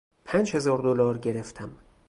پنج هزار دلار گرفتم.